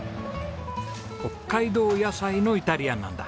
北海道野菜のイタリアンなんだ。